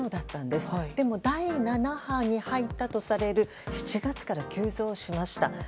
でも第７波に入ったとされる７月から急増しました。